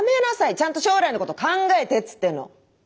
ちゃんと将来のこと考えてっつってんの。